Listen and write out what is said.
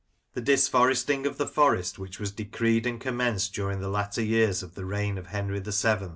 The disforesting of the Forest, which was decreed and commenced during the latter years of the reign of Henry VII.